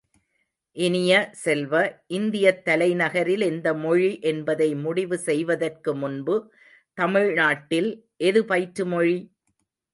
இனிய செல்வ, இந்தியத் தலைநகரில் எந்த மொழி என்பதை முடிவு செய்வதற்குமுன்பு தமிழ் நாட்டில் எது பயிற்று மொழி?